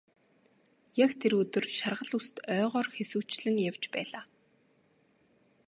Яг тэр өдөр шаргал үст ойгоор хэсүүчлэн явж байлаа.